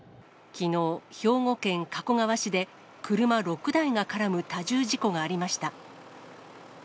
きのう、兵庫県加古川市で、車６台が絡む多重事故がありました。